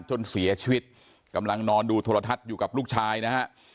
จนเสียชีวิตกำลังนอนดูโทรทัศน์อยู่กับลูกชายนะฮะ